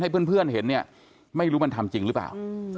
ให้เพื่อนเห็นไม่รู้มันทำจริงหรือเปล่า